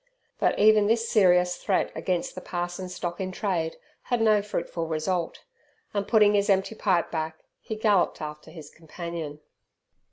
But even this serious threat against the parson's stock in trade had no fruitful result, and, putting his empty pipe back, he galloped after his companion.